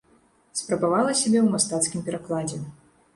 Спрабавала сябе ў мастацкім перакладзе.